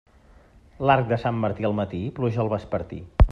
L'arc de Sant Martí al matí, pluja al vespertí.